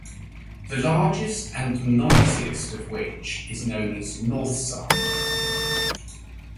The largest and noisiest of which is known as North Side.